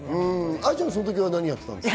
愛ちゃん、その時は何やってたんですか？